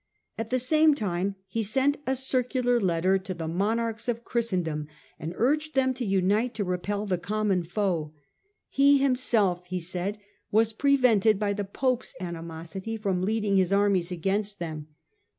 At the same time he sent a circular letter to the i88 STUPOR MUNDI monarchs of Christendom and urged them to unite to repel the common foe. He himself, he said, was pre vented by the Pope's animosity from leading his armies against them.